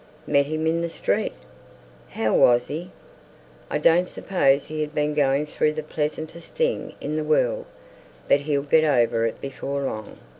"Met him in the street." "How was he?" "I don't suppose he'd been going through the pleasantest thing in the world; but he'll get over it before long.